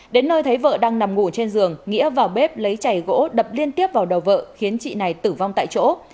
đến nơi thấy vợ đang nằm ngủ trên giường nghĩa vào bếp lấy chày gỗ đập liên tiếp vào đầu vợ khiến chị này tử vong tại chỗ